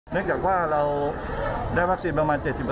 เนื่องจากว่าเราได้วัคซีนประมาณ๗๕